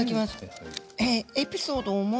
エピソード。